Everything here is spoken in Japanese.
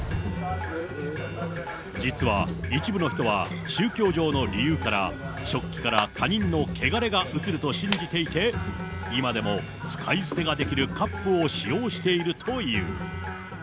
実は、一部の人は宗教上の理由から、食器から他人のけがれがうつると信じていて、今でも使い捨てができるカップを使用しているという。